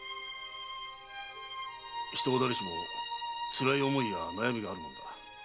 人は誰しもつらい思いや悩みがあるものだ。